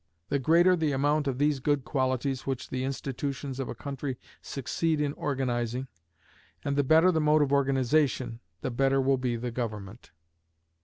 The greater the amount of these good qualities which the institutions of a country succeed in organizing, and the better the mode of organization, the better will be the government.